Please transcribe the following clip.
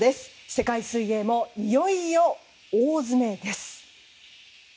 世界水泳もいよいよ大詰めです。